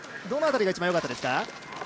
どの辺りが一番よかったですか。